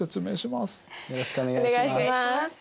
よろしくお願いします。